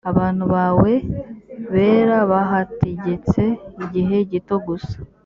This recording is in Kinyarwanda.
abantu bawe bera bahategetse igihe gito gusa .